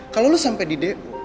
kalau lo sampai di de